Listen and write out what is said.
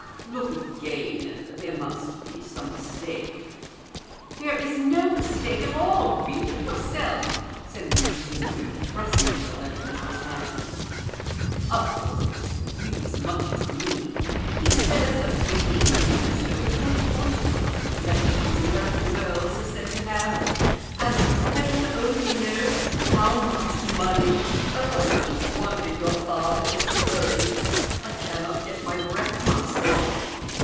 "Look again; there must be some mistake." " There is no mistake at all ; read it your self," said Mrs. Wynyard, thrusting the letter into his hands. "Of course it is for you as much as me. He says a pretty creature, with those wonderful complexions American girls are said to have, and with Heaven only knows how much money ; oh, I don't wonder your father is flurried ; I cannot get my breath myself."